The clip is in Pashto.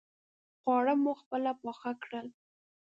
خواړه مو خپله پاخه کړل.